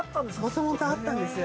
◆もともとあったんですよ。